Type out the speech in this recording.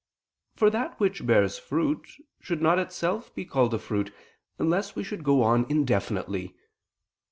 For that which bears fruit, should not itself be called a fruit, else we should go on indefinitely.